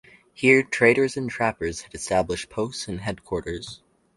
Here traders and trappers had established posts and headquarters.